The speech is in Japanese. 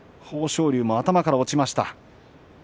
豊昇龍も頭から落ちました。